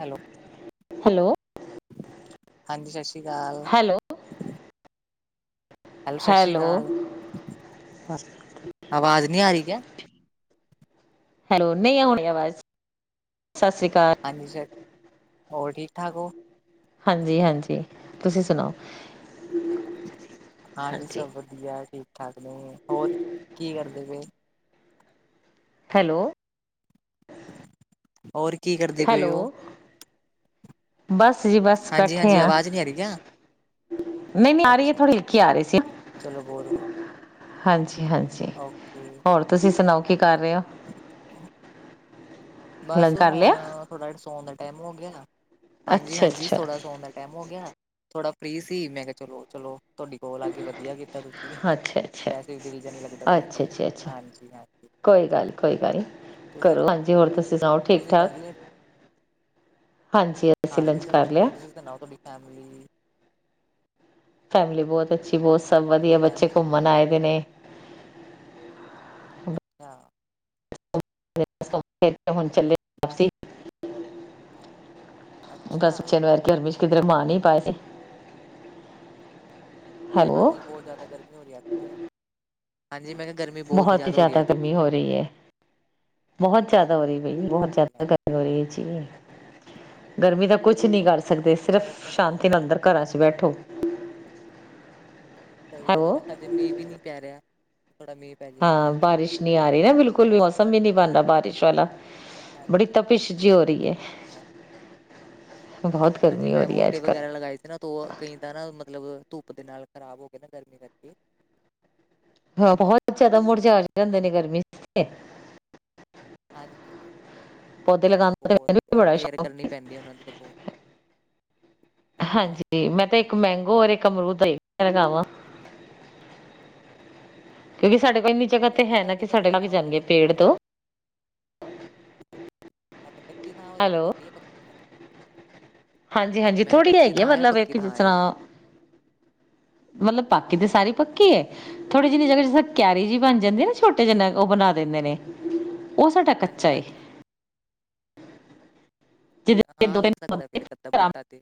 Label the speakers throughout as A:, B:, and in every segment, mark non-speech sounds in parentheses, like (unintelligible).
A: Hello,
B: hello,
A: ਹਾਂਜੀ ਸਤਿ ਸ੍ਰੀ ਅਕਾਲ
B: ਹੈਲੋ,
A: ਹੈਲੋ ਸਤਿ ਸ੍ਰੀ ਅਕਾਲ, ਆਵਾਜ਼ ਨੀ ਆਰੀ ਕਿਆ
B: ਹੈਲੋ ਨਈ ਆਉਣੀ ਆਵਾਜ਼ ਸਸ੍ਰੀ ਕਾਲ।
A: ਹਾਂਜੀ ਸਰ ਹੋਰ ਠੀਕ-ਠਾਕ ਓ
B: ਹਾਂਜੀ, ਹਾਂਜੀ ਤੁਸੀ ਸਨਾਓ
A: ਹਾਂਜੀ ਸਭ ਵਧੀਆ ਠੀਕ (inaudible) ਹੋਰ, ਕੀ ਕਰਦੇ ਪੇ
B: ਹੈਲੋ
A: (inaudible) ਹੋਰ ਕੀ ਕਰਦੇ
B: ਹੈਲੋ
A: ਪੇਓ
B: ਬਸ ਜੀ ਬਸ ਬੈਠੇ ਆ।
A: ਆਵਾਜ਼ ਨਹੀਂ ਰਹੀ ਕਿਆ
B: (unintelligible) ਨਈ, ਨਈ ਆ ਰਹੀ ਐ
A: ਅੱਛਾ
B: ਥੋੜ੍ਹੀ ਹਲਕੀ ਆ ਰਹੀ ਸੀ।
A: ਚਲੋ ਬਹੁਤ
B: ਹਾਂਜੀ। ਹਾਂਜੀ।
A: ਓਕੇ
B: ਹੋਰ ਤੁਸੀਂ ਸੁਨਾਓ ਕਰ ਰੇ ਓ
A: ਬਸ ਹੁਣ ਥੋੜ੍ਹਾ ਜ ਸੋਨ ਦਾ ਟੈਮ ਹੋ ਗਿਆ। ਹਾਂਜੀ,
B: ਅੱਛਾ
A: ਹਾਂਜੀ
B: ਅੱਛਾ
A: (unintelligible) ਸੋਣ ਦਾ ਟੈਮ ਹੋ ਗਿਆ। ਥੋੜ੍ਹਾ ਫਰੀ ਸੀ। ਮੈਂ ਕਿਹਾ ਚਲੋ, ਚਲੋ ਤੁਹਾਡੀ ਕੋਲ ਆ ਕੇ ਵਧੀਆ ਕੀਤਾ ਤੁਸੀਂ।
B: ਅੱਛਾ ਅੱਛਾ
A: ਵੈਸੇ ਵੀ ਦਿਲ ਜੇਹਾ ਨਹੀਂ ਲੱਗਦਾ
B: ਅੱਛਾ
A: ਪਿਆ।
B: ਅੱਛਾ ਅੱਛਾ
A: ਹਾਂਜੀ, ਹਾਂਜੀ।
B: ਕੋਈ ਗੱਲ ਕੋਈ ਗੱਲ ਨੀ
A: ਤੁਸੀਂ
B: ਕਰੋ। ਹਾਂਜੀ ਹੋਰ ਤੁਸੀਂ ਸੁਣਾਓ?
A: ਤੁਸੀਂ
B: ਠੀਕ-ਠਾਕ।
A: ਕਰ ਲਿਆ
B: ਹਾਂਜੀ ਅਸੀਂ
A: ਹਾਂਜੀ
B: ਲੰਚ
A: ਸਭ
B: ਕਰ
A: ਵਧੀਆ
B: ਲਿਆ।
A: ਤੁਸੀਂ ਸੁਣਾਓ ਤੁਹਾਡੀ ਫੈਮਿਲੀ
B: ਫੈਮਿਲੀ ਬਹੁਤ ਅੱਛ ਬਹੁਤ ਸਭ
A: ਤੁਹਾਡੀ
B: ਵਧੀਆ। ਬੱਚੇ
A: ਫੈਮਿਲੀ
B: ਘੁੰਮਣ ਆਏ ਦੇ ਨੇ
A: ਅੱਛਾ।
B: (inaudible) (unintelligible)
A: ਅੱਛਾ
B: ਕਿਧਰੇ (unintelligible) ਹੈਲੋ
A: ਹਾਂਜੀ ਬਹੁਤ ਜ਼ਿਆਦਾ ਗਰਮੀ ਹੋ ਰਹੀ ਐਤਕੀ ਹਾਂਜੀ ਮੈਂ ਕਿਹਾ ਗਰਮੀ
B: ਬਹੁਤ ਹੀ
A: ਹੋ ਰਹੀ
B: ਜ਼ਿਆਦਾ
A: ਐਤਕੀ
B: ਗਰਮੀ ਹੋ ਰਹੀ ਹੈ। ਬਹੁਤ ਜ਼ਿਆਦਾ ਹੋ ਰਹੀ ਬਈ, ਬਹੁਤ
A: ਹਾਂਜੀ
B: ਜ਼ਿਆਦਾ
A: ਹਾਂਜੀ
B: (unintelligible) ਹੋ ਰਹੀ ਇਹ ਜੀ ਗਰਮੀ ਦਾ ਕੁਛ ਨੀ ਕਰ ਸ ਸਕਦੇ। ਸਿਰਫ
A: ਮੌਸਮ ਵੀ
B: ਸ਼ਾਂਤੀ ਨਾਲ ਅੰਦਰ ਘਰਾਂ ਚ ਬੈਠੋ।
A: ਸਹੀ
B: ਹੈਲੋ
A: ਗੱਲ ਆ। ਹਜੇ ਮੀਂਹ ਵੀ ਨੀਂ ਪੈ ਰਿਹਾ। ਥੋੜਾ ਮੀਂਹ ਪੈ ਜੇ
B: ਹਾਂ, ਬਾਰਿਸ਼ ਨਈ ਆ ਰਹੀ ਨਾ ਬਿਲਕੁਲ ਵੀ, ਮੌਸਮ ਵੀ ਨੀ ਬਣਦਾ ਬਾਰਿਸ਼ ਵਾਲਾ। ਬੜੀ ਤਪਿਸ਼ ਜੀ ਹੋ ਰਹੀ ਹੈ ਬਹੁਤ
A: ਹਾਂਜੀ,
B: ਗਰਮੀ ਹੋ
A: ਮੈਂ
B: ਰਹੀ ਹੈ ਅੱਜ
A: ਬੂਟੇ
B: ਕੱਲ੍ਹ
A: ਵਗੈਰਾ ਲਗਾਏ ਸੀ ਨਾ ਤੂੰ ਕਈ ਤਾਂ ਨਾ ਮਤਲਬ ਧੁੱਪ ਦੇ ਨਾਲ ਖ਼ਰਾਬ ਹੋ ਕੇ ਨਾ ਗਰਮੀ ਕਰਕੇ।
B: ਹਾਂ, ਬਹੁਤ ਅੱਛਾ ਤਾਂ, ਮੁੜਜਾ ਜਾਂਦੇ ਨੇ ਗਰਮੀ
A: ਹਾਂਜੀ।
B: ਪੌਦੇ ਲਗਾਣ ਦਾ
A: ਬਹੁਤ
B: ਮੈਨੂੰ ਵੀ ਬੜਾ
A: ਕੇਅਰ
B: ਸ਼ੌਕ
A: ਕਰਨੀ
B: ਸੀ।
A: ਪੈਂਦੀ ਉਹਨਾਂ ਦੀ ਤਾਂ ਬਹੁਤ ਅੱਛਾ
B: ਹਾਂਜੀ, ਮੈਂ ਤਾਂ ਇੱਕ ਮੈਂਗੋ ਔਰ ਇੱਕ ਅਮਰੂਦ (unintelligible) ਦਿਲ ਕਰਦਾ ਮੈਂ ਵੀ ਲਗਾਵਾਂ ਕਿਉਂਕਿ ਸਾਡੇ ਕੋਲ ਇੰਨੀ ਜਗ੍ਹਾ ਤੇ ਹੈ ਨਾ,
A: ਤੁਹਾਡੇ
B: ਕਿ
A: ਘਰ
B: ਸਾਡੇ
A: ਵਾਲੀ
B: ਲੱਗ ਜਾਣਗੇ
A: ਉਹ
B: ਪੇੜ ਤੋਂ
A: (unintelligible) ਥਾਂ ਹੋਏਗੀ
B: ਹੈਲੋ
A: ਤੁਹਾਡੀ ਪਕੀ
B: ਹਾਂਜੀ, ਹਾਂਜੀ,
A: ਕਿਹਾ
B: ਥੋੜ੍ਹੀ
A: ਕੱਚੀ
B: ਹੈਗੀ ਆ,
A: ਥਾਂ ਹੈ
B: ਮਤਲਬ
A: ਪੱਕੀ
B: ਇੱਕ ਜਿਸ
A: ਥਾਂ ਹੈ
B: ਤਰ੍ਹਾਂ, ਮਤਲਬ ਕਿਦੇ ਸਾਰੀ ਪੱਕੀ ਹੈ। ਥੋੜੀ ਜਿਹੀ ਜਿਨੀ ਜਗਾ ਜਿੱਥ ਕਿਯਾਰੀ ਜਿਹੀ ਬਣ ਜਾਂਦੀ ਆ ਨਾ, ਛੋਟੇ ਜੇਨਾ ਉਹ ਬਣਾ ਦੇਂਦੇ ਨੇ। ਉਹ ਸਾਡਾ ਕੱਚਾ
A: ਹਾਂਜੀ
B: ਏ।
A: ਹਾਂਜੀ
B: ਜਿਹਦੇ
A: ਹਾਂ
B: ਦੋ
A: ਲੱਗ ਸਕਦਾ ਫਿਰ
B: ਤਿੰਨ
A: ਅੱਧਾ ਬੂਟਾ ਤੇ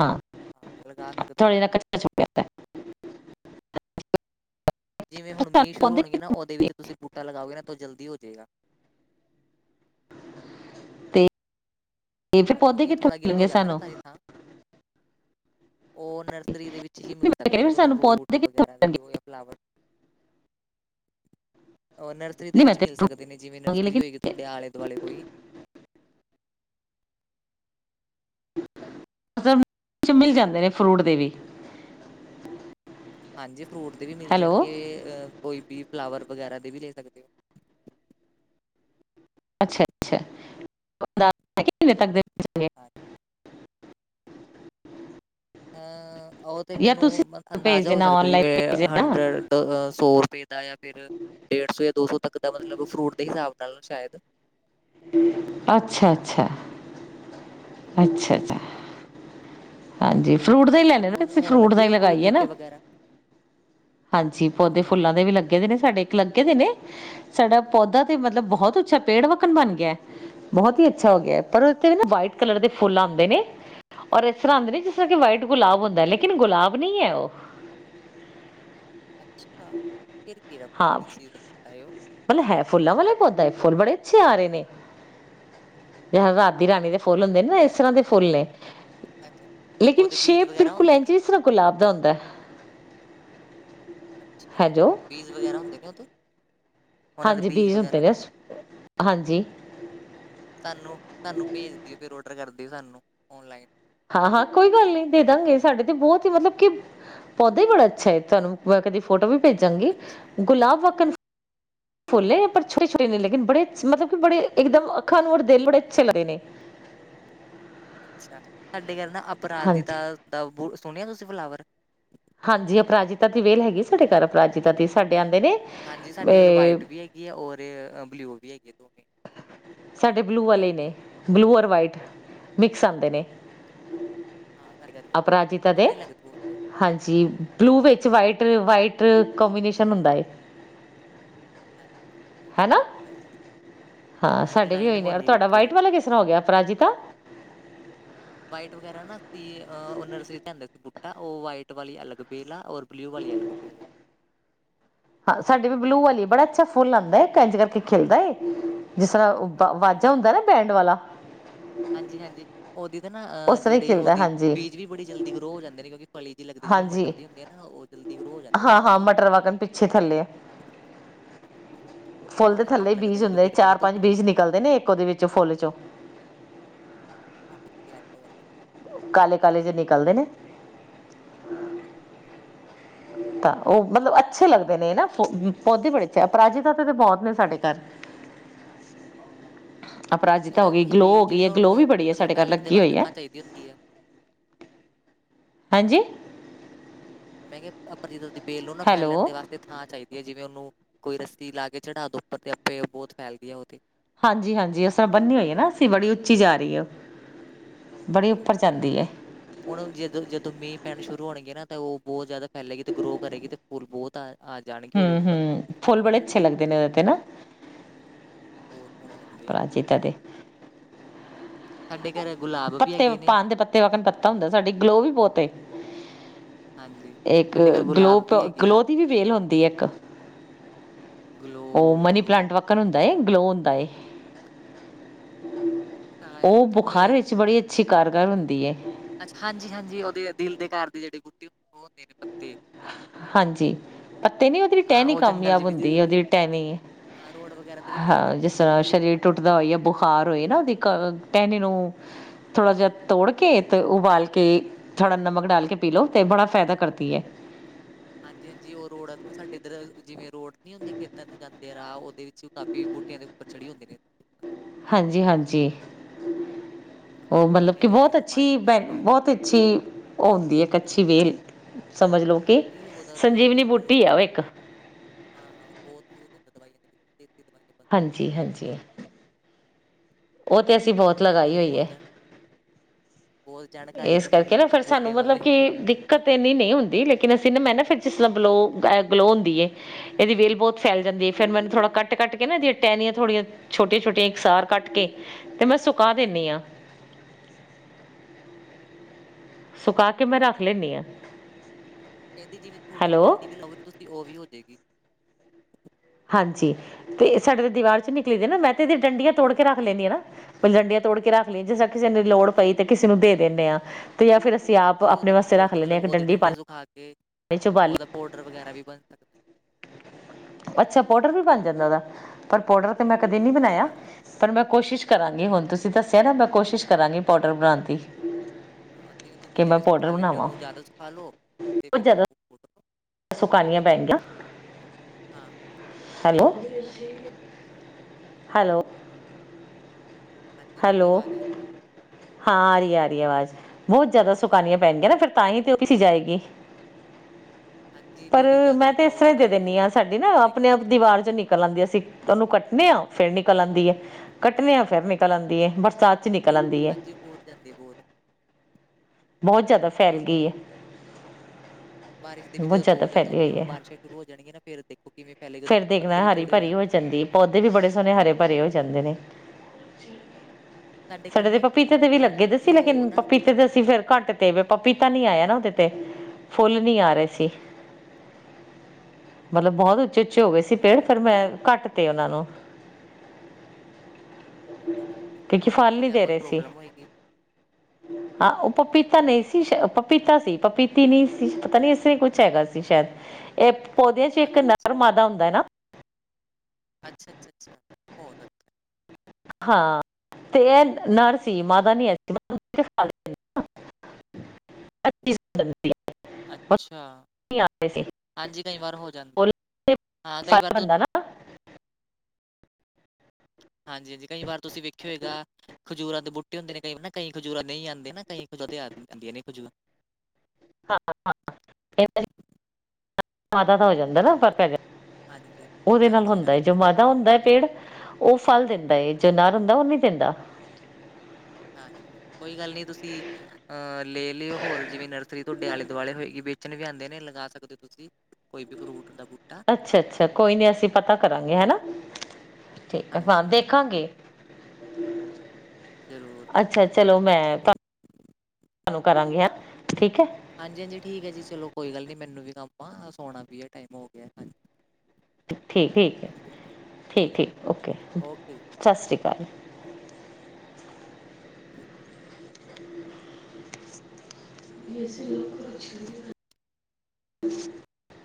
B: ਹਾਂ
A: ਹਾਂ ਲਗਾ ਸਕਦੇ
B: ਥੋੜੇ ਜਿਹਾ
A: ਹੋ
B: ਕੱਚਾ ਛੋੜਿਆ (unintelligible)
A: ਜਿਵੇਂ ਹੁਣ
B: ਸਾਨੂੰ
A: ਮੀਂਹ ਸ਼ੁਰੂ
B: ਪੌਦੇ
A: ਹੋਣਗੀਆਂ ਨਾ ਉਹਦੇ ਵਿੱਚ ਤੁਸੀਂ ਬੂਟਾ ਲਗਾਓਗੇ ਨਾ ਤਾਂ ਉਹ ਜਲਦੀ ਹੋ ਜਾਵੇਗਾ
B: ਤੇ ਤੇ ਫਿਰ
A: ਹਾਂ
B: ਪੌਦੇ
A: ਕਿਉਂਕਿ
B: ਕਿੱਥੇ
A: ਥੋੜਾ ਗਿੱਲ ਹੋ
B: ਮਿਲਣਗੇ
A: ਜਾਂਦਾ ਨਾ
B: ਸਾਨੂੰ
A: ਸਾਰੀ ਥਾਂ ਉਹ ਨਰਸਰੀ ਦੇ ਵਿੱਚ ਹੀ
B: ਨਹੀਂ
A: ਮਿਲ
B: ਮੈਂ ਕਹਿ
A: ਸਕਦੇ
B: ਰਹੀ
A: ਨੇ
B: ਫਿਰ
A: ਤੁਹਾਨੂੰ
B: ਸਾਨੂੰ
A: ਫਰੂਟ
B: ਪੌਦੇ ਕਿੱਥੋਂ
A: ਵਗੈਰਾ
B: ਮਿਲਣਗੇ
A: ਜੋ ਜਾਂ ਫਲਾਵਰ ਅ ਨਰਸਰੀ ਦੇ
B: ਨਹੀਂ ਮੈਂ
A: ਵਿੱਚ
B: ਤੇ
A: ਮਿਲ ਸਕਦੇ ਨੇ ਜਿਵੇਂ
B: ਮੰਗੀ
A: ਨਰਸਰੀ
B: ਲੇਕਿਨ
A: ਹੋਏਗੀ ਤੁਹਾਡੇ ਆਲੇ ਦੁਆਲੇ ਕੋਈ
B: ਮਿਲ ਜਾਂਦੇ ਨੇ ਫਰੂਟ ਦੇ ਵੀ
A: ਹਾਂਜੀ ਫਰੂਟ ਦੇ ਵੀ ਮਿਲ
B: ਹੈਲੋ
A: ਜਾਣਗੇ ਅ ਕੋਈ ਵੀ ਫਲਾਵਰ ਵਗੈਰਾ ਦੇ ਵੀ ਲੈ ਸਕਦੇ ਹੋ
B: ਅੱਛਾ ਅੱਛਾ ਬੰਦਾ ਮਹੀਨੇ ਤੱਕ ਦੇ ਭੇਜੋਗੇ
A: ਹ ਹਾਂ ਉਹ ਤੇ
B: ਜਾਂ ਤੁਸੀਂ
A: ਮੈਨੂੰ
B: ਭੇਜ
A: ਅੰਦਾਜ਼ਾ ਹੋ
B: ਦੇਣਾ
A: ਸਕਦਾ
B: ਆਨਲਾਈਨ
A: ਜੀਵੇ
B: ਭੇਜ ਦੇਣਾ
A: ਹੰਡਰਡ ਸੌ ਰੁਪਏ ਦਾ ਜਾਂ ਫਿਰ ਡੇਢ ਸੌ ਜਾਂ ਦੋ ਸੌ ਤੱਕ ਦਾ ਮਤਲਬ ਫਰੂਟ ਦੇ ਹਿਸਾਬ ਨਾਲ ਸ਼ਾਇਦ (unintelligible)
B: ਅੱਛਾ ਅੱਛਾ ਅੱਛਾ ਅੱਛਾ
A: ਹਾਂਜੀ ਹਾਂਜੀ
B: ਹਾਂਜੀ ਫਰੂਟ ਦਾ ਹੀ ਲੈਣੇ ਨਾ
A: ਹੁਣ
B: ਤੁਸੀਂ
A: ਹੁਣ
B: ਫਰੂਟ ਦਾ
A: ਲੱਗੇ
B: ਹੀ
A: ਹੋ ਕੋਈ
B: ਲਗਾਈਏ ਨਾ
A: ਬੂਟੇ ਵਗੈਰਾ
B: ਹਾਂਜੀ ਪੌਦੇ ਫੁੱਲਾਂ ਦੇ ਵੀ ਲੱਗੇ ਦੇ ਨੇ ਸਾਡੇ ਇੱਕ ਲੱਗੇ ਦੇ ਨੇ ਸਾਡਾ ਪੌਦਾ ਤੇ ਮਤਲਬ ਬਹੁਤ ਅੱਛਾ ਪੇੜ ਵਕਣ ਬਣ ਗਿਆ ਏ ਬਹੁਤ ਹੀ ਅੱਛਾ ਹੋ ਗਿਆ ਏ ਪਰ ਉਥ ਨਾ ਵਾਈਟ ਕਲਰ ਦੇ ਫੁੱਲ ਆਉਂਦੇ ਨੇ ਔਰ ਸ ਤਰ੍ਹਾਂਂ ਨੀ ਜਿਸ ਤਰ੍ਹਾਂ ਵਾਈਟ ਗੁਲਾੱਬ ਹੁੰ ਲੇਕਿਨ ਗੁਲਾਬ ਨੀ ਹੈ ਉਹ
A: ਅੱਛਾ ਫਿਰ ਕੀ ਰੱਖ
B: ਹਾਂ
A: ਕਿਸ ਚੀਜ਼ ਦਾ ਬੂਟਾ ਹੈ ਉਹ
B: ਮਲਬ ਹੈ ਫੁੱਲਾਂ ਵਾਲਾ ਪੌਦਾ ਹੈ ਫੁੱਲ ਬੜੇ ਛੇ ਆ ਰਹੇ ਨੇ ਜ (unintelligible) ਰਾਤ ਦੀ ਰਾਣੀ ਦੇ ਫੁੱਲ ਹੁੰਦੇ ਨੇ ਨਾ ਇਸ ਤਰ੍ਹਾਂ ਦੇ ਫੁੱਲ ਨੇ
A: ਅੱਛਾ
B: ਲੇਕਿਨ
A: ਉਹਦੇ ਬੀਜ
B: ਸ਼ੇਪ
A: ਵਗੈਰਾ
B: ਬਿਲਕੁਲ
A: ਹੁੰਦੇ
B: ਇਂਝ
A: ਨੇ
B: ਸ ਤਰਾਂ ਗੁਲਾਬ ਦਾ ਹੁੰਦਾ
A: ਅੱਛਾ
B: ਹੈਲੋ
A: ਬੀਜ ਵਗੈਰਾ ਹੁੰਦੇ ਨੇ ਉਹਦੇ ਉਹਨਾਂ ਦੇ
B: ਹਾਂਜੀ
A: ਬੀਜ
B: ਹੁੰਦੇ
A: ਵਗੈਰਾ
B: ਨੇ ਹਾਂਜੀ
A: ਸਾਨੂੰ ਸਾਨੂੰ ਭੇਜਦੀਓ ਫਿਰ ਔਡਰ ਕਰ (unintelligible) ਸਾਨੂੰ ਔਨਲਾਈਨ
B: ਹਾਂ ਹਾਂ ਕੋਈ ਗੱਲ ਨੀ ਦੇ ਦਾਂਗੇ ਸਾਡੇ ਤੇ ਬਹੁਤ ਹੀ ਮਲਬ ਕਿ ਪੌਦਾ ਹੀ ਬੜਾ ਅੱਛਾ ਹੈ ਤੁਹਾਨੂੰ ਮ ਕਦੀ ਫੋਟੋ ਵੀ ਭੇਜਾਂਗੀ
A: ਅੱਛਾ
B: ਗੁਲਾਬ ਵਕਣ ਫੁੱਲੇ ਪਰ ਛੋਟੇ ਛੋਟੇ ਨੇ ਲੇ ਬੜ ਮਤਲਬ ਕਿ ਬੜੇ ਇੱਕ ਦਮ ਅੱਖਾਂ ਨੂੰ ਦੇਿਲ ਬੜੇ ਅੱਛੇ ਲੱਗਦੇ ਨੇ
A: ਅੱਛਾ ਸਾ ਡੇ ਕਰਨਾ ਅਪਰਾਜੀਤਾ
B: ਹਾਂਜੀ
A: ਦਾ ਬੂ ਸੁਣਿਆ ਤੁਸੀਂ ਫਲਾਵਰ
B: ਹਾਂਜੀ ਅਪਰਾਜਿਤਾ ਦੀ ਵੇਲ ਹੈਗੀ ਸਾਡੇ ਘਰ ਅਪਰਾਜਿਤਾ ਦੀ ਸਾਡ
A: ਹਾਂਜੀ ਸਾਡੇ ਕੋਲ ਵਾਈਟ ਵੀ ਹੈਗੀ ਹੈ ਔਰ ਬਲਿਊ ਪ ਗ ਤੋਂ (unintelligible)
B: ਸਾਡੇ ਬਲੂ ਵਾਲੇ ਨੇ ਬਲੂ ਔਰ ਵਾਈਟ ਮਿਕਸ ਆਂਦੇ ਨੇ
A: ਹਾਂ ਸਾਡੇ ਘਰ ਵੀ
B: ਅਪਰਾਜਿਤਾ ਦੇ
A: ਸੋਹਣੇ ਲੱਗਦੇ ਬਹੁਤ ਜ਼ਿਆਦਾ
B: ਹਾਂਜੀ ਬਲੂ ਵਿੱਚ
A: ਹਾਂਜੀ
B: ਵਾਈਟ ਵਾਈਟ ਕ ਕੰਬੀਨੇਸ਼ਨ ਹੁੰਦਾ ਏ
A: ਹਾਂਜੀ ਹਾਂਜੀ
B: ਹੈਨਾ
A: ਥੋੜ੍ਹਾ ਲਾਈ-
B: ਹਾਂ
A: ਹਾਂਜੀ
B: ਸਾਡੇ ਵੀ ਹੋਏ
A: ਲਾਈਨਿੰਗ
B: ਨੇ ਆਰ
A: ਹੁੰਦੀ ਵਿੱਚ
B: ਤੁਹਾਡਾ
A: ਥੋੜੀ
B: ਵਾਈਟ ਵਾਲਾ ਕਿਸ ਤਰ੍ਹਾਂ ਹੋ ਗਿਆ ਅਪਰਾਜੀਤਾ
A: ਸੀ ਤੇ ਅ ਉਹਨਾਂਸੀ ਧਿਆ ਦ ਸੀ (unintelligible) ਉਹ ਵਾਈਟ ਵਾਲੀ ਅਲੱਗ ਬੇਲ ਆ ਔਰ ਬਲਿਊ ਵਾਲੀ ਅਲੱਗ ਬੇਲ
B: ਹਾਂ ਸਾਡੀ ਵੀ ਬਲੂ ਵਾਲੀ ਬੜਾ ਅੱਛਾ ਫੁੱਲ ਆਉਂਦਾ ਏ ਕੰਜ ਕਰਕੇ ਖਿਲਦਾ ਏ ਜਿਸ ਤਰ੍ਹਾਂ ਵਾ
A: ਹਾਂਜੀ
B: ਵਾਜਾ ਹੁੰਦਾ ਨਾ ਬੈਂਡ ਵਾਲਾ
A: ਹਾਂਜੀ ਹਾਂਜੀ ਉਹਦੀ ਨਾ ਅਹ
B: ਉਸ ਤਰ੍ਹਾਂ ਹੀ
A: ਜਿਹੜੇ
B: ਖਿਲਦਾ
A: ਉਹਦੀ
B: ਹਾਂਜੀ
A: ਬੀਜ ਵੀ ਬੜੀ ਜਲਦੀ ਗਰੋ ਹੋ ਜਾਂਦੇ ਨੇ ਕਿਉਂਕਿ ਫਲੀ ਜਿਹੀ ਲੱਗਦੀ ਜਿਵੇਂ ਮਟਰ
B: ਹਾਂਜੀ
A: ਦੀ ਹੁੰਦੀ ਆ ਨਾ ਉਹ ਜਲਦੀ ਗਰੋ ਹੋ ਜਾਂਦੇ ਉਹਦੇ
B: ਹਾਂ
A: ਬੀਜ
B: ਹਾਂ
A: ਵੀ
B: ਮਟਰ ਵਗਣ ਪਿੱਛੇ ਥੱਲੇ
A: ਹਾਂਜੀ
B: ਫੁੱਲ ਦੇ
A: ਸੋਹਣੇ ਬਹੁਤ
B: ਥੱਲੇ
A: ਲੱਗਦੇ
B: ਬੀਜ
A: ਜਦੋਂ
B: ਹੁੰਦੇ
A: ਖਿੜਦੇ ਨਾ
B: ਚਾਰ ਪੰਜ
A: ਧੁੱਪ ਦੇ
B: ਬੀਜ
A: ਵਿੱਚ
B: ਨਿਕਲਦੇ ਨੇ ਇੱਕ ਉਹਦੇ ਵਿੱਚੋਂ ਫੁੱਲ ਚੋਂ
A: ਹਾਂ ਬਲੈਕ ਕਲਰ ਦੇ
B: ਕਾਲੇ ਕਾਲੇ ਜ ਨਿਕਲਦੇ ਨੇ ਤਾਂ ਉਹ ਮਤਲਬ ਅੱਛੇ ਲੱਗਦੇ ਨੇ ਨਾ ਪੌਦੇ ਬੜੇ ਅੱਛੇ ਅਪਰਾਜਿਤਾ ਬਹੁਤ ਨੇ ਸਾਡੇ ਘਰ
A: ਹਾਂਜੀ
B: ਅਪਰਾਜਿਤਾ ਹੋ
A: ਉਦੋਂ
B: ਗਈ ਗਲੋ ਹੋ
A: ਬੇਲ ਜੋ
B: ਗਈ ਹੈ
A: ਨਾ
B: ਗਲੋ ਵੀ ਬੜੀ ਹੈ ਸਾਡੇ ਘਰ ਲੱਗੀ ਹੋਈ ਹੈ
A: ਆ
B: ਹਾਂਜੀ
A: ਮੈਂ ਆਪਾਂ ਜਿੱਦਾਂ ਦੀ ਬੇਲ ਨੂੰ ਨਾ ਫੈਲਣ ਦੇ
B: ਹੈਲੋ
A: ਵਾਸਤੇ ਥਾ ਚਹੀਦੀ ਹੈ ਜੀ ਉਹਨੂੰ ਕੋਈ ਰੱਸੀ ਲਾ ਕੇ ਚੜਾ ਦੋ ਉੱਪਰ ਤੇ ਆਪੇ ਬਹੁਤ ਫੈਲਦੀ ਈ ਹੈ ਉਹ ਤੇ
B: ਹਾਂਜੀ ਕਰ
A: (unintelligible) ਹੁਣ ਜਦੋਂ ਜਦੋਂ ਮੀਂਹ ਪੈਣ ਸ਼ੁਰੂ ਹੋਣਗੇ ਨਾ ਤਾਂ ਉਹ ਬਹੁਤ ਜ਼ਿਆਦਾ ਫੈਲੇਗੀ ਤੇ ਗਰੋ ਕਰੇਗੀ ਤੇ ਫੁਲ ਬਹੁਤ ਪਰ
B: ਹੂੰ ਹੂੰ ਫੁੱਲ ਬੜੇ ਅੱਛੇ ਲੱਗਦੇ ਨੇ ਇਹਦੇ ਤੇ ਨਾ
A: ਹੋਰ
B: ਪਾਜੀ ਤਾਡੇ
A: ਸਾਡੇ ਘਰ ਗੁਲਾਬ ਵੀ
B: ਪੱਤੇ
A: ਹੈਗੇ ਨੇ
B: ਪਾਨ ਦੇ ਪੱਤੇ ਵਗਣ ਪੱਤਾ ਹੁੰਦਾ ਸਾਡੀ ਗਲੋ ਵੀ ਬਹੁਤ ਏ
A: ਹਾਂਜੀ।
B: ਇੱਕ
A: ਸਾਡੇ ਘਰ ਗੁਲਾਬ
B: ਗਲੋਪ
A: ਵੀ ਹੈਗੇ ਆ
B: ਗਲੋ ਦੀ ਵੀ ਵੇਲ ਹੁੰਦੀ ਇੱਕ
A: ਗਲੋ
B: ਓ ਮਨੀ
A: ਗਲੋ
B: ਪਲਾਂਟ ਵੱਕਨ ਹੁੰਦਾ ਏ। ਗਲੋ ਹੁੰਦਾ ਏ। ਉਹ
A: ਸ਼ਾਇਦ
B: ਬੁਖਾਰ
A: ਮੇਰੇ
B: ਵਿੱਚ ਬੜੀ ਅੱਛੀ ਕਾਰ ਘਰ ਹੁੰਦੀ ਏ
A: ਅੱਛਾ ਹਾਂਜੀ ਹਾਂਜੀ ਉਹਦੇ (inaudible)
B: ਹਾਂਜੀ ਪੱਤੇ ਨੀ ਉਹਦੀ
A: ਹਾਂ
B: ਟਹਿਨੀ
A: ਉਹ ਜੰਗਲ
B: ਕਾਮਯਾਬ
A: ਚ ਵੀ
B: ਹੁੰਦੀ ਉਹਦੀ ਟਹਨੀ
A: ਹਾਂ ਰੋਡ ਵਗੈਰਾ ਤੇ ਵੀ ਮਿਲਦੇ
B: ਹਾਂ
A: ਨੇ
B: ਜਿਸ ਤਰ੍ਹਾਂ ਸਰੀਰ ਟੁੱਟਦਾ ਹੋਈਏ ਬੁਖਾਰ ਹੋਈਏ ਨਾ ਉਹਦੀ ਟਹਿਨੀ ਨੂੰ ਥੋੜ੍ਹਾ ਜਿਹਾ ਤੋੜ ਕੇ ਤੇ ਉਬਾਲ ਕੇ ਥੋੜਾ ਨਮਕ ਡਾਲ ਕੇ ਪੀ ਲਓ ਤੇ ਬੜਾ ਫਾਇਦਾ ਕਰਦੀ ਹੈ।
A: ਹਾਂਜੀ ਹਾਂਜੀ ਉਹ ਰੋਡ ਸਾਡੇ ਇਧਰ ਜਿਵੇਂ ਰੋਡ ਨੀ ਹੁੰਦੇ ਖੇਤਾਂ ਨੂੰ ਜਾਂਦੇ ਰਾਹ ਉ ਵਿਚ ਕਾਫੀ ਬੂਟਿਆਂ ਦੇ ਉੱਪਰ ਚੜੀ ਹੁੰਦੀ ਨੇ।
B: ਹਾਂਜੀ ਹਾਂਜੀ
A: ਹਾਂ,
B: ਉਹ
A: ਸਹੀ
B: ਮਤਲਬ ਕਿ
A: ਮੇਰੇ ਆ ਗਏ
B: ਬਹੁਤ
A: ਮਾਇੰਡ
B: ਅੱਛੀ
A: ਦੇ
B: ਬ
A: ਵਿੱਚ ਆ ਗਿਆ।
B: ਬਹੁਤ ਅੱਛੀ ਉਹ ਹੁੰਦੀ ਹੈ ਇੱਕ ਅੱਛੀ ਬੇਲ। ਹ (unintelligible)
A: ਹਾਂਜੀ ਉਹਦਾ ਬਹੁਤ ਮਤਲਬ
B: ਆ ਉਹ ਇੱਕ
A: ਹਾਂ ਉਹ ਬਹੁਤ ਯੂਜ ਹੁੰਦਾ ਦਵਾਈਆਂ ਦੇ ਵਿੱਚ (unintelligible)
B: ਹਾਂਜੀ-ਹਾਂਜੀ ਉਹ ਤੇ ਅਸੀਂ ਬਹੁਤ
A: ਚਲੋ ਤੁਹਾਨੂੰ
B: ਲਗਾਈ
A: ਤਾਂ
B: ਹੋਈ
A: ਬਹੁਤ
B: ਏ
A: ਜਾਣ ਬਹੁਤ ਜਾਣਕਾਰੀ ਹੈ
B: ਇਸ
A: ਤੁਹਾਨੂੰ ਵੀ
B: ਕਰਕੇ ਨਾ ਫਿਰ ਸਾਨੂੰ
A: ਬੂਟਿਆਂ
B: ਮਤਲਬ
A: ਬਾਰੇ
B: ਕਿ ਦਿੱਕਤ ਇਨੀ ਨਹੀਂ ਹੁੰਦੀ ਲੇਕਿਨ ਫਿਰ ਨਾ ਮੈਂ ਨਾ ਫਿਰ ਜਿਸ ਤਰ੍ਹਾਂ ਗਲੋਹ ਇਹ ਗਲੋ ਹੁੰਦੀ ਏ ਇਹਦੀ ਵੇਲ ਬਹੁਤ ਫੈਲ ਜਾਂਦੀ ਏ ਫੇਰ ਮੈਂ ਉਹਨੂੰ ਥੋੜਾ ਕੱਟ ਕੱਟ ਕੇ ਨਾ ਇਹਦੀਆਂ ਟਹਿਨੀਆਂ ਥੋੜੀਆਂ ਛੋਟੀਆਂ ਛੋਟੀਆਂ ਇਕਸਾਰ ਕੱਟ ਕੇ ਤੇ ਮੈਂ ਸੁਕਾ ਦੇਨੀ ਆ। ਸੁਕਾ ਕੇ ਮੈਂ ਰੱਖ ਲੇਨੀ ਆ।
A: ਇਹਦੀ ਜਿਵੇਂ ਥੋੜੀ ਜਿਹੀ ਡੰਡੀ ਵੀ ਲੋ ਤੁਸੀਂ ਉਹ ਵੀ ਹੋ ਜੇਗੀ। (inaudible)
B: ਹਾਂਜੀ ਤੇ ਸਾਡੇ ਦੀਵਾਰ ਚ ਨਿਕਲੀ ਦੀ ਨਾ ਮੈਂ ਤੇ ਇਹਦੀ ਡੰਡੀ ਤੋੜ ਕੇ ਰੱਖ ਲੈਦੀ ਆ ਨਾ ਪਹਿਲੇ ਡੰਡੀਆਂ ਤੋੜ ਕੇ ਰੱਖ ਲੀ ਜੇ ਕਰ ਕਿਸੇ ਨੂੰ ਲੋੜ ਪਈ ਤੇ ਕਿਸੇ ਨੂੰ ਦੇ ਦਿੰਨੇ ਆ। ਤੇ ਜਾਂ ਫਿਰ ਅਸੀਂ ਆਪ
A: ਹਾਂਜੀ,
B: ਆਪਣੇ
A: ਉਹਦਾ
B: ਵਾਸਤੇ
A: ਅ,
B: ਰੱਖ ਲੈਂਦੇ
A: ਮਤਲਬ
B: ਹਾਂ ਇੱਕ
A: ਉਹਦੇ
B: ਡੰਡੀ
A: ਡੰਡੇ
B: ਪਾਣੀ
A: ਸੁਖਾ ਕੇ
B: 'ਚ ਉਬਾਲੀ
A: ਉਹਦਾ ਪਾਊਡਰ ਵਗੈਰਾ ਵੀ ਬਣ ਸਕਦਾ
B: ਅੱਛਾ ਪਾਊਡਰ ਵੀ ਬਣ ਜਾਂਦਾ ਉਹਦਾ ਪਰ ਪਾਊਡਰ ਪਰ ਮੈਂ ਕਦੀ
A: ਹਾਂ,
B: ਨਹੀਂ
A: ਉਹਨੂੰ
B: ਬਣਾਇਆ
A: ਸੁਖਾ ਕੇ
B: ਪਰ ਮੈਂ ਕੋਸ਼ਿਸ਼ ਕਰਾਂਗੇ ਤੁਸੀਂ ਦੱਸਿਆ ਨਾ ਮੈਂ ਕੋਸ਼ਿਸ਼ ਕਰਾਂਗੀ ਪਾਊਡਰ ਬਣਾਉਣ ਦੀ।
A: ਹਾਂ ਜਿਵੇਂ ਤੁਸੀਂ
B: ਕਿ
A: ਕਹਿ
B: ਮੈਂ
A: ਰਹੇ ਸੁਖਾ
B: ਪਾਊਡਰ
A: ਲੈਂਦੇ ਆ
B: ਬਣਾਵਾਂ
A: ਉਹਨੂੰ ਜਿਆਦਾ ਸੁਖਾ ਲੋੋ ਤੇ ਫੇਰ ਉਹਨੂੰ ਲਓ।
B: ਸੁਖਾਨੀ ਆ ਮੈਂ ਕਿਹਾ
A: ਹਾਂ,
B: ਹੈਲੋ। ਹੈਲੋ।
A: ਹਾਂਜੀ-ਹਾਂਜੀ
B: ਹੈਲੋ
A: ਆਵਾਜ਼ ਆ ਰਹੀ ਹੈ?
B: ਹਾਂ ਆ ਰੀ ਆ ਆਵਾਜ਼ ਬਹੁਤ ਜ਼ਿਆਦਾ ਸੁਕਾਨੀਆਂ ਪੈਣਗੀਆਂ ਨਾ ਫਿਰ ਤਾਂ ਹੀ ਤੇ ਉਹ ਪੀਸੀ ਜਾਏਗੀ।
A: ਹਾਂਜੀ,
B: ਪਰ
A: ਕਿਉਂਕਿ ਜ਼ਿਆਦਾ
B: ਮੈਂ ਤੇ ਇਸ
A: ਸੁਖਾਓਗੇ
B: ਤਰ੍ਹਾਂ ਹੀ
A: ਤਾਂ
B: ਦੇ
A: ਉਹ
B: ਦਿੰਦੀ ਆ ਸਾਡੀ ਨਾ ਆਪਣੇ
A: ਦੇਗੀ
B: ਆਪ ਦੀਵਾਰ ਚੋਂ ਨਿਕਲ ਆਉਂਦੀ ਹ ਸਿੱਕ ਉਹਨੂੰ ਕੱ ਨੀ ਓਹ ਫਿਰ ਨਿਕਲ ਆਉਂਦੀ ਹੈ ਕੱਟਨੇ ਆਂ ਫਿਰ ਨਿਕ ਕਲ ਆਉਂਦੀ ਹੈ ਬਰਸਾਤ ਸੀ ਨਿਕਲ ਆਉਂਦੀ ਹੈ
A: ਹਾਂਜੀ ਫੂਟ ਜਾਂਦੀ ਬਹੁਤ।
B: ਬਹੁਤ ਜ਼ਿਆਦਾ ਚਲਦੀ ਏ
A: ਬਾਰਿਸ਼ ਦੇ ਵਿੱਚ
B: ਬਹੁਤ ਜਿਆਦਾ
A: ਜ਼ਿਆਦਾ
B: ਫੈਲੀ
A: ਹੁੰਦੀ
B: ਹੋਈ
A: ਹੁਣ
B: ਹੈ
A: ਬਾਰਿਸ਼ਾਂ ਸ਼ੁਰੂ ਹੋ ਜਾਣਗੀਆਂ ਨਾ ਫਿਰ ਦੇਖੋ ਕਿਵੇਂ ਫੈਲੇਗਾ ਉਹਦੇ
B: ਫੇਰ
A: ਪੱਤੇ
B: ਦੇਖਦਾ
A: ਵੀ
B: ਹਰੀ
A: ਚੌੜੇ
B: ਭਰੀ ਹੋ
A: ਜਾਂਦੇ ਨੇ
B: ਜਾਂਦੀ ਪੌਦੇ ਵੀ ਬੜੇ ਸੋਹਨੇ ਹਰੇ ਭਰੇ ਹੋ ਜਾਂਦੇ ਨੇ। ਜੀ
A: ਘਰ
B: ਸਾਡੇ
A: ਨਾ
B: ਤੇ
A: ਇੱਕ
B: ਪਪੀਤੇ
A: ਮਨੀ
B: ਤੇ ਵੀ
A: ਪਲਾਂਟ
B: ਲੱਗੇ ਦੇ ਸੀ
A: ਲੱਗੀ ਹੈ ਉਹ
B: ਲੇਕਿਨ
A: ਨਾ
B: ਪਪੀਤੇ ਦੀ ਅਸੀ ਪਪੀਤਾ ਨੀ ਆਇਆ ਨਾ ਉਧਰ। ਤੇ ਫੁੱਲ ਨੀ ਆ ਰਹੇ ਸੀ ਮਤਲਬ ਬਹੁਤ ਉੱਚੇ ਉੱਚੇ ਹੋ ਗਏ ਸੀ ਪੇੜ ਫਿਰ ਮੈਂ ਕੱਟ ਤੇ ਉਹਨਾਂ ਨੂੰ।
A: ਅੱਧਾ ਤਾਂ ਹੁੰਦਾ ਹੀ
B: ਕਿਉਂਕਿ
A: ਵੈਸੇ
B: ਫਲ
A: ਕਦੇ
B: ਨੀ
A: ਜਾਂ
B: ਦੇ
A: ਕੋਈ
B: ਰਹੇ ਸੀ
A: ਪ੍ਰੋਬਲਮ ਹੋਏਗੀ
B: ਹਾਂ ਉਹ ਪਪੀਤਾ ਨਹੀਂ ਸੀ। ਸੀ ਸ਼ਾਯਦ ਪਪੀਤਾ ਸੀ ਪਪੀਤੀ ਨਹੀਂ ਸੀ ਪਤਾ ਨੀ ਇਸਾ ਹੀ ਕੁਛ ਹੈਗਾ ਸੀ ਸ਼ਾਇਦ ਇਹ ਪੌਧੇਆ ਚ ਇਕ
A: ਅੱਛਾ
B: ਨਰ ਮਾਦਾ ਹੁੰਦਾ ਹੈ ਨਾ।
A: ਅੱਛਾ (inaudible)
B: ਹਾਂ ਤੇ ਇਹ ਨਰ ਸੀ ਮਾਦਾ ਨੀ
A: ਅ ਅੱਛਾ
B: ਸੀ।
A: ਹਾਂਜੀ ਕਈ ਵਾਰ ਹੋ ਜਾਂਦਾ ਐ ਹਾਂ
B: ਫਲ
A: ਕਈ ਵਾਰ ਤੁ
B: ਬਣਦਾ ਨਾ (inaudible)
A: ਹਾਂਜੀ-ਹਾਂਜੀ ਕਈ ਵਾਰ ਤੁਸੀ ਵੇਖਿਆ ਹੋਏਗਾ ਖਜੂਰਾਂ ਦੇ ਬੂਟੇ ਹੁੰਦੇ ਨੇ ਕਈ ਵਾਰ ਨਾ ਕਈ ਖਜੂਰਾ ਨਹੀਂ ਆਉਂਦੇਂ ਨਾ ਆਂਦੀਆ ਨੇ ਖਜੂਰ
B: ਹਾਂ-ਹਾਂ ਮਾਦਾ ਦਾ ਹੋ ਜਾਂਦਾ ਨਾ ਤੱਦ
A: ਹਾਂਜੀ
B: ਤਕ ਉਹਦੇ ਨਾਲ
A: ਹਾਂਜੀ
B: ਹੁੰਦਾ ਐ
A: ਹਾਂਜੀ
B: ਜੋ ਮਾਦਾ ਹੁੰਦਾ ਐ ਪੇੜ। ਉਹ ਫਲ ਦਿੰਦਾ ਏ ਜੋ ਨਰ ਹੁੰਦਾ ਉਹ ਨੀ ਦਿੰਦਾ।
A: ਹਾਂਜੀ ਕੋਈ ਗੱਲ ਨੀ ਤੁਸੀ ਅਹੰ ਲੇ ਲਿਓ ਹੋਰ ਜਿਵੇਂ ਨਰਸਰੀ ਤੁਹਾਡੇ ਆਲੇ ਦੁਆਲੇ ਹੋਏਗੀ ਵੇਚਨ ਵੀ ਆਉਂਦੇ ਨੇ ਲਗਾ ਸਕਦੇ ਹੋ ਤੁਸੀ ਕੋਈ ਵੀ ਫਰੂਟ ਦਾ। ਬੂਟਾ
B: ਅੱਛਾ-ਅੱਛਾ ਕੋਈ ਨੀ ਅਸੀ ਪਤਾ ਕਰਾਂਗੇ ਹਨਾ। ਠੀਕ ਏ ਹਾਂ
A: ਹਾਂਜੀ
B: ਦੇਖਾਂਗੇ।
A: ਜ਼ਰੂਰ
B: (inaudible) ਅੱਛਾ ਚਲੋ ਮੈਂ ਕ ਤੁਹਾਨੂੰ ਕਰਾਂਗੀ ਮੈਂ ਠੀਕ ਐ।
A: ਹਾਂਜੀ-ਹਾਂਜੀ ਠੀਕ ਹੈ ਜੀ ਚਲੋ ਕੋਈ ਗੱਲ ਨੀ ਮੈਨੂੰ ਵੀ ਕੰਮ ਆ ਸੋਣਾ ਵੀ ਐ ਟਾਈਮ ਹੋ ਗਿਆ।
B: ਠ ਠੀ ਠੀਕ ਹੈ ਠੀਕ-ਠੀਕ ਓਕੇ
A: ਓਕੇ
B: ਸਤਿ ਸ੍ਰੀ ਅਕਾਲ।
A: (inaudible)
B: (inaudible)